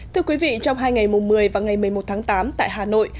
thưa quý vị trong hai ngày mùng một mươi và ngày một mươi một tháng tám tại hà nội